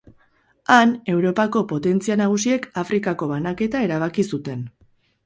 Han, Europako potentzia nagusiek Afrikako banaketa erabaki zuten.